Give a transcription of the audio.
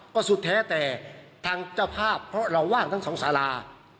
ก็สุดแท้แต่ทางเจ้าภาพเพราะเราว่างทั้งสองสารา